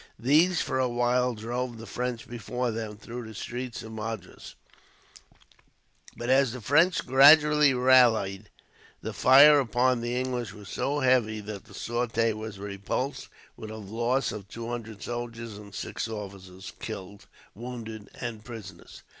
These, for a while, drove the French before them through the streets of Madras; but as the French gradually rallied, the fire upon the English was so heavy that the sortie was repulsed, with a loss of two hundred soldiers and six officers killed, wounded, and prisoners.